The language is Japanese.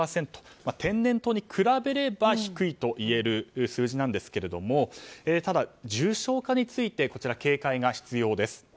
天然痘に比べれば低いといえる数字なんですがただ、重症化について警戒が必要です。